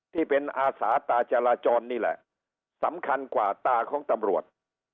ที่เป็นอาสาตาจราจรนี่แหละสำคัญกว่าตาของตำรวจ